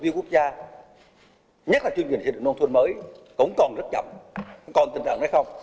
tiêu quốc gia nhất là chương trình thiết định nông thuận mới cũng còn rất chậm còn tình trạng này không